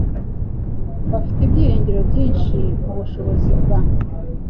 Bafite ibyiringiro byinshi mubushobozi bwa .